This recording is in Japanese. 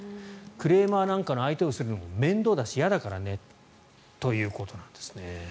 クレーマーなんかの相手をするのが面倒だし嫌だからねということなんですね。